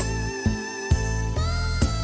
รับทราบมาค่ะ